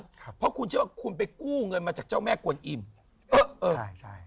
ครับเพราะคุณเชื่อว่าคุณไปกู้เงินมาจากเจ้าแม่กวนอิ่มเออเออใช่ใช่